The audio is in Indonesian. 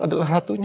adalah putri kecil